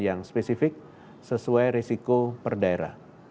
yang spesifik sesuai risiko per daerah